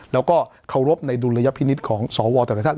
แล้วก็เคารพในดุลยพินิษฐ์ของสวแต่ละท่าน